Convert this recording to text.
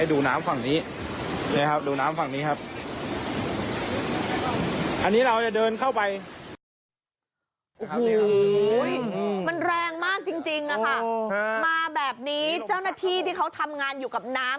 มันแรงมากจริงค่ะมาแบบนี้เจ้าหน้าที่ที่เขาทำงานอยู่กับน้ำ